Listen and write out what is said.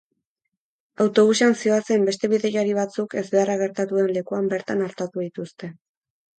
Autobusean zihoazen beste bidaiari batzuk ezbeharra gertatu den lekuan bertan artatu dituzte.